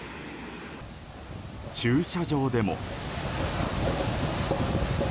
駐車場でも。